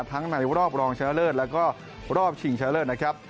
ทั้งในรอบรองชนะเลิศและรอบฉิงชนะเลิศนะครับ